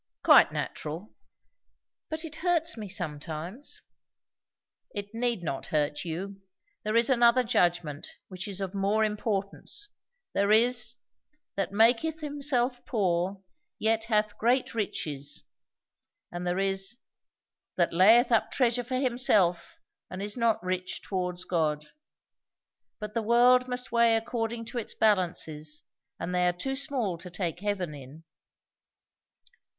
"Quite natural." "But it hurt me sometimes." "It need not hurt you. There is another judgment, which is of more importance. 'There is, that maketh himself poor, yet hath great riches.' And there is, 'that layeth up treasure for himself, and is not rich towards God.' But the world must weigh according to its balances, and they are too small to take heaven in."